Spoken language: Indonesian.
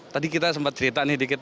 tadi kita sempat cerita nih dikit